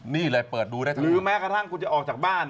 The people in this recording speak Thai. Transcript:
นี่เลยเปิดดูนะครับหรือแม้กระทั่งคุณจะออกจากบ้าน